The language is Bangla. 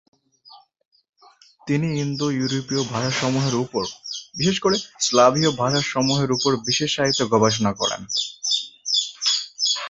তিনি ইন্দো-ইউরোপীয় ভাষাসমূহের উপর, বিশেষ করে স্লাভীয় ভাষাসমূহের উপর বিশেষায়িত গবেষণা করেন।